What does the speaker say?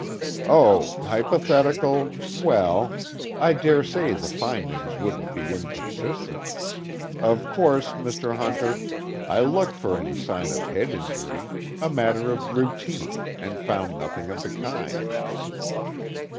"Oh, hypothetical well.... I dare say the findings wouldn't be inconsistent. Of course, Mr. Hunter, I looked for any sign of head injury, a matter of routine, and found nothing of the kind."